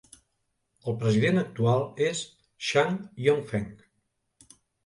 El president actual és Shang Yongfeng.